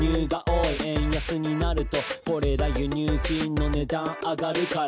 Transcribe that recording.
「円安になるとこれら輸入品の値段上がるから」